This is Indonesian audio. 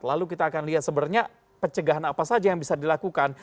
lalu kita akan lihat sebenarnya pencegahan apa saja yang bisa dilakukan